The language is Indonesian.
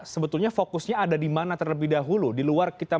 sebetulnya fokusnya ada di mana terlebih dahulu